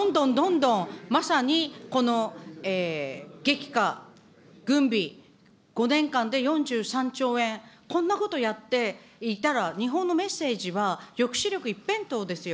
まさにこの激化、軍備、５年間で４３兆円、こんなことやっていたら、日本のメッセージは抑止力一辺倒ですよ。